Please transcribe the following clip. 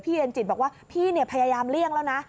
เย็นจิตบอกว่าพี่พยายามเลี่ยงแล้วนะ